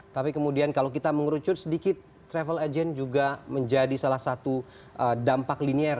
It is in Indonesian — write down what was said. tapi kemudian kalau kita mengerucut sedikit travel agent juga menjadi salah satu dampak linier